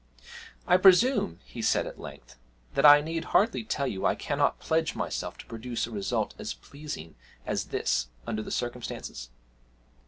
'I presume,' he said at length, 'that I need hardly tell you I cannot pledge myself to produce a result as pleasing as this under the circumstances?'